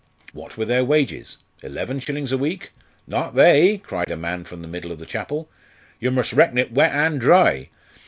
What were their wages? eleven shillings a week? "Not they!" cried a man from the middle of the chapel. "Yer mus' reckon it wet an' dry.